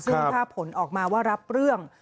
ซึ่งถ้าผลออกมาว่ารับเรื่อง